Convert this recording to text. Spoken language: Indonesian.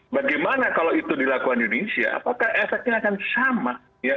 bagaimana kalau itu dilakukan di indonesia apakah efeknya akan sama